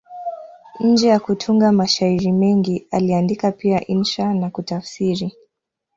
Nje ya kutunga mashairi mengi, aliandika pia insha na kutafsiri.